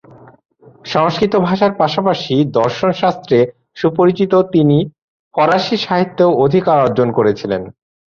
সংস্কৃত ভাষার পাশাপাশি দর্শনশাস্ত্রে সুপরিচিত তিনি ফরাসি সাহিত্যেও অধিকার অর্জন করেছিলেন।